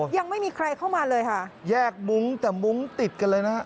ยังไม่มีใครเข้ามาเลยค่ะแยกมุ้งแต่มุ้งติดกันเลยนะฮะ